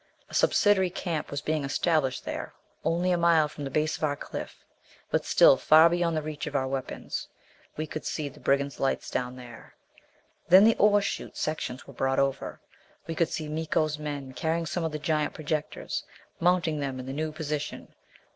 A subsidiary camp was being established there, only a mile from the base of our cliff, but still far beyond reach of our weapons. We could see the brigand lights down there. Then the ore chute sections were brought over. We could see Miko's men carrying some of the giant projectors, mounting them in the new position.